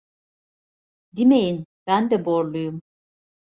Dimeyin! Ben de Borluyum.